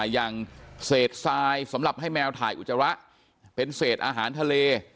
อย่างเศษทรายสำหรับให้แมวถ่ายอุจจาระเป็นเศษอาหารทะเล